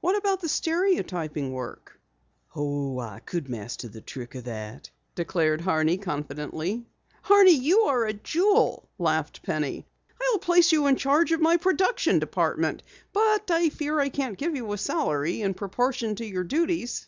"What about the stereotyping work?" "I could master the trick of it," declared Horney confidently. "Horney, you're a jewel!" laughed Penny. "I'll place you in charge of my production department, but I fear I can't give you a salary in proportion to your duties."